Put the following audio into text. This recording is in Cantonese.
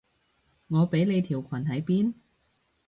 我畀你條裙喺邊？